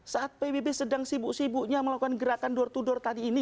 saat pbb sedang sibuk sibuknya melakukan gerakan door to door tadi ini